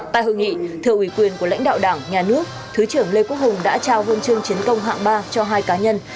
tại hội nghị thưa ủy quyền của lãnh đạo đảng nhà nước thứ trưởng lê quốc hùng đã trao huân chương chiến công hạng ba cho hai cá nhân